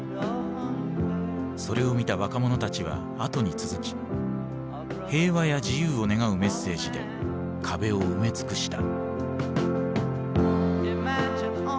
それを見た若者たちはあとに続き平和や自由を願うメッセージで壁を埋め尽くした。